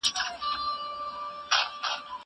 زه بايد شګه پاک کړم!